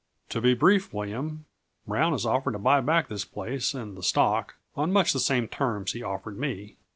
To be brief, William, Brown has offered to buy back this place and the stock, on much the same terms he offered me.